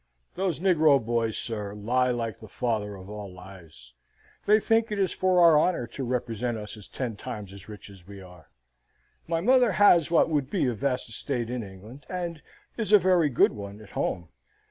"Those negro boys, sir, lie like the father of all lies. They think it is for our honour to represent us as ten times as rich as we are. My mother has what would be a vast estate in England, and is a very good one at home.